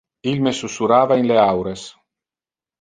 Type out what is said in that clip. Il me susurrava in le aures.